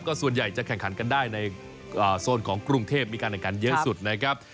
ส่วนใหญ่จะแข่งขันกันได้ในโซนของกรุงเทพมีการแข่งขันเยอะสุดนะครับ